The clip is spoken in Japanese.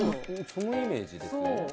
そのイメージですよね。